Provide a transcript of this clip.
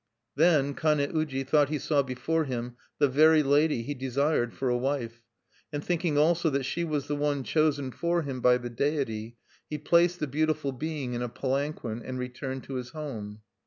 Then Kane uji thought he saw before him the very lady he desired for a wife. And thinking also that she was the one chosen for him by the deity, he placed the beautiful being in a palanquin and returned to his home.